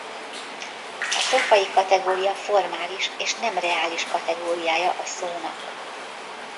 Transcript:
A szófaji kategória formális és nem reális kategóriája a szónak.